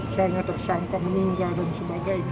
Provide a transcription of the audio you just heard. sangat tersangka meninggal dan sebagainya